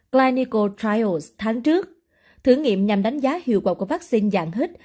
clinical trials tháng trước thử nghiệm nhằm đánh giá hiệu quả của vaccine dạng hít